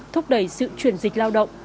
thúc đẩy sự chuyển dịch lao động